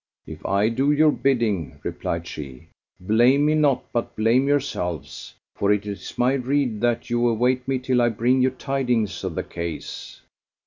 "If I do your bidding," replied she, "blame me not but blame yourselves; for it is my rede that you await me till I bring you tidings of the case."